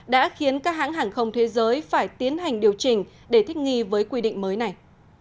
đã khiến các hãng hàng không thế giới phải tiến hành điều chỉnh để thích nghi với quy định mới này